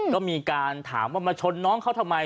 ก็มีการถามว่ามาชนน้องเขาทำไม